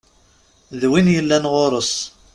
D win yellan ɣur-s.